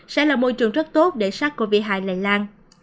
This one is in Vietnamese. sẽ là môi trường rất tốt để sát covid một mươi chín lây lan